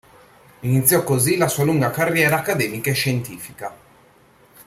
Iniziò così la sua lunga carriera accademica e scientifica.